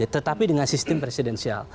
tetapi dengan sistem presidensial